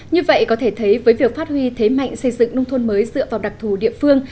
như vậy có thể thấy với việc phát huy thế mạnh xây dựng nông thôn mới dựa vào đặc thù địa phương